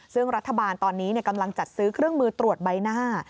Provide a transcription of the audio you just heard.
ซึ่งรัฐบาลตอนนี้กำลังจัดซื้อเครื่องมือตรวจใบหน้า